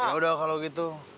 yaudah kalau gitu